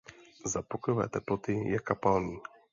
Za pokojové teploty je kapalný.